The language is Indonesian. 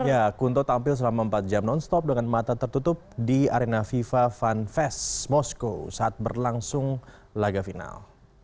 ya kunto tampil selama empat jam non stop dengan mata tertutup di arena fifa fanfest moskow saat berlangsung laga final